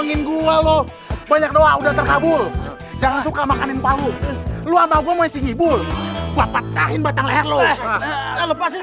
itu udah terkabul jangan suka makan palu lu apa mau singgih bulu batang leher lo lepasin